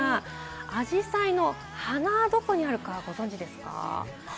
アジサイの花、どこにあるかご存じですか？